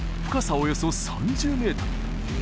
およそ３０メートル